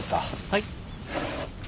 はい。